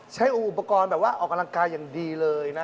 ใช้อุปกรณ์แบบว่าออกกำลังกายอย่างดีเลยนะ